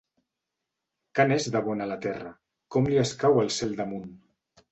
Que n’és de bona la terra! Com li escau el cel damunt!